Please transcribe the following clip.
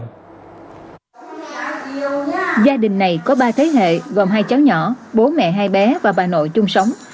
gia đình này có ba thế hệ gồm hai cháu nhỏ bố mẹ hai bé và bà nội chung sống